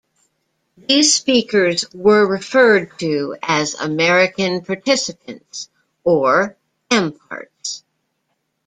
These speakers were referred to as "American Participants" or "AmParts".